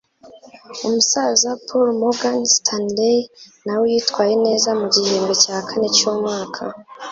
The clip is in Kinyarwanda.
Umusaza pal Morgan Stanley nawe yitwaye neza mu gihembwe cya kane cyumwaka